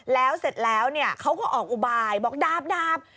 แล้วเสร็จแล้วเนี่ยเขาก็ออกอุบายบอกดาบ